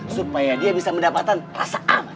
supaya dia bisa mendapatkan rasa aman